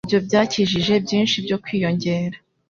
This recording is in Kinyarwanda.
Ibyo byakijije byinshi byo kwiyongera.